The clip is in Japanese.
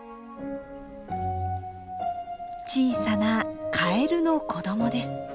小さなカエルの子どもです。